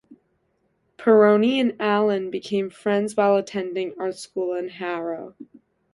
Pirroni and Allen became friends while attending art school in Harrow.